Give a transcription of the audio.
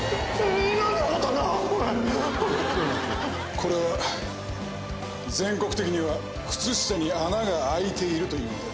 これは全国的には靴下に穴があいていると言う。